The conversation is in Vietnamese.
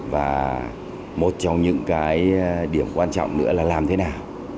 và một trong những cái điểm quan trọng nữa là làm thế nào